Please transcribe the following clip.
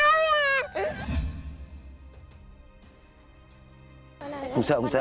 mẹ cháu mẹ cháu lúc này